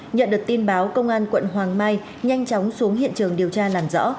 nhận được tin báo công an quận hoàng mai nhanh chóng xuống hiện trường điều tra làm rõ